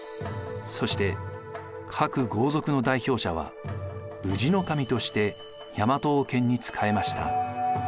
そして各豪族の代表者は氏上として大和王権に仕えました。